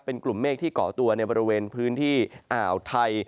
เป็นกลุ่มเมฆที่เกาะตัวในบริเวณพื้นที่อ่าวไทย